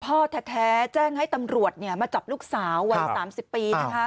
พ่อแท้แจ้งให้ตำรวจมาจับลูกสาววัย๓๐ปีนะคะ